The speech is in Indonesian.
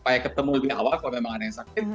supaya ketemu lebih awal kalau memang ada yang sakit